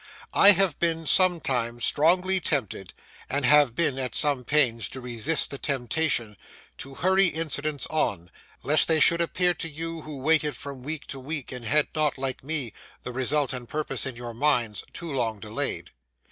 I have been sometimes strongly tempted (and have been at some pains to resist the temptation) to hurry incidents on, lest they should appear to you who waited from week to week, and had not, like me, the result and purpose in your minds, too long delayed.